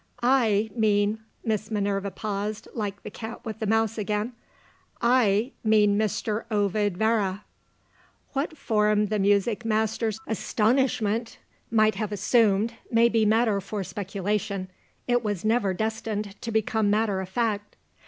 "I mean " Miss Minerva paused (like the cat with the mouse again!) "I mean, Mr. Ovid Vere." What form the music master's astonishment might have assumed may be matter for speculation, it was never destined to become matter of fact.